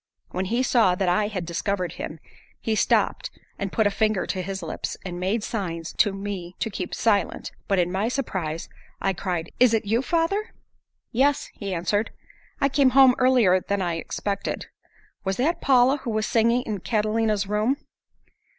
When he saw that I had discovered him, he stopped and put a finger to his lips, and made signs to me to keep silent, but in my surprise I cried, "Is it you, father?" "Yes," he answered, "I came home earlier than I expected. Was that Paula who was singing in Catalina's room?"